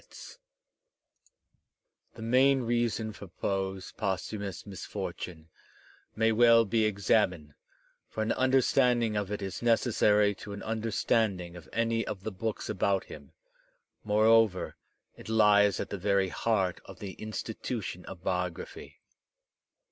Digitized by Google 138 THE SPIRIT OF AMERICAN LITERATURE The main reason for Poe's posthumous misfortune may well be examined, for an understanding of it is necessary to an understanding of any of the books about him; moreover, it lies at the very heart of the institution of biography.